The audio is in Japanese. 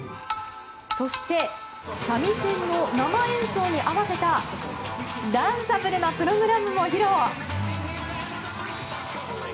そして三味線の生演奏に合わせたダンサブルなプログラムも披露。